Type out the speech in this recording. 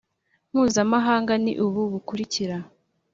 mpuzamahanga ni ubu bukurikira